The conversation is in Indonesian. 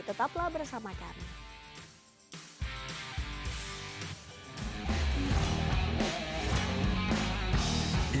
tetaplah bersama kami